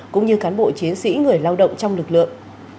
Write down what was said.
cũng như cán bộ chiến sĩ người lao động trong lực lượng